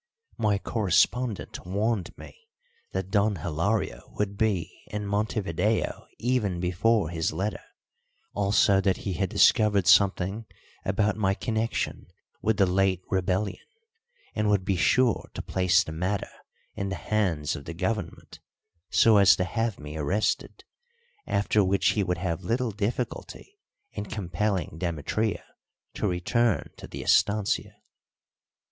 My correspondent warned me that Don Hilario would be in Montevideo even before his letter, also that he had discovered something about my connection with the late rebellion, and would be sure to place the matter in the hands of the government, so as to have me arrested, after which he would have little difficulty in compelling Demetria to return to the estancia.